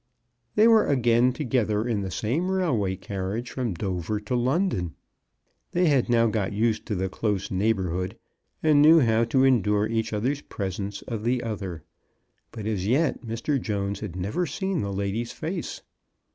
They were again together in the same rail way carriage from Dover to London. They had now got used to the close neighborhood, and knew how to endure each the presence of the other. But as yet Mr. Jones had never seen the lady's face.